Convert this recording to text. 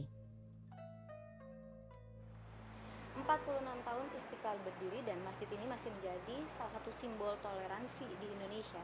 empat puluh enam tahun istiqlal berdiri dan masjid ini masih menjadi salah satu simbol toleransi di indonesia